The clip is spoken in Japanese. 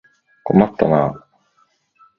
困ったなあ。